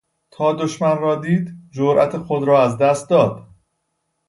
تا دشمن را دید جرات خود را از دست داد.